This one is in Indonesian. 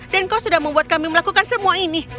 dan kau sudah membuat kami melakukan semua ini